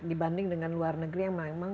dibanding dengan luar negeri yang memang